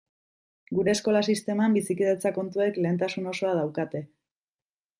Gure eskola sisteman bizikidetza kontuek lehentasun osoa daukate.